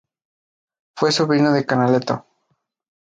Fue sobrino de Canaletto.